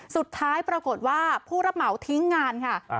สุดท้ายปรากฏว่าผู้รับเหมาทิ้งงานค่ะ